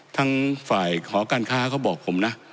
ทั้งฝ่ายหอการค้าเขาบอกผมนะ